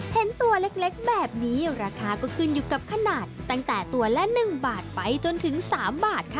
เห็นตัวเล็กแบบนี้ราคาก็ขึ้นอยู่กับขนาดตั้งแต่ตัวละ๑บาทไปจนถึง๓บาทค่ะ